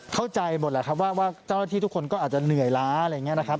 เข้าใจหมดแหละครับว่าเจ้าหน้าที่ทุกคนก็อาจจะเหนื่อยล้าอะไรอย่างนี้นะครับ